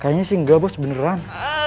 kayaknya sih enggak bos beneran